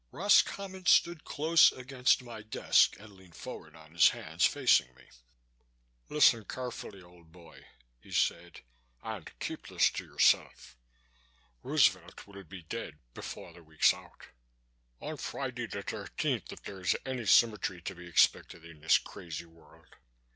Roscommon stood close against my desk and leaned forward on his hands, facing me. "Listen carefully, old boy," he said, "and keep this to yourself. Roosevelt will be dead before the week's out on Friday the thirteenth if there's any symmetry to be expected in this crazy world.